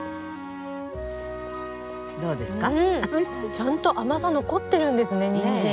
ちゃんと甘さ残ってるんですねニンジン。